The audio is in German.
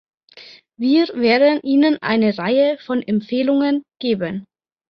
Wir werden Ihnen eine Reihe von Empfehlungen geben.